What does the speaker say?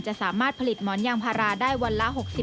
สามารถผลิตหมอนยางพาราได้วันละ๖๐